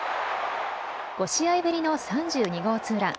５試合ぶりの３２号ツーラン。